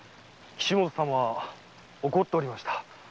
岸本様は怒っておりました。